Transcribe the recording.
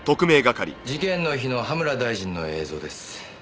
事件の日の葉村大臣の映像です。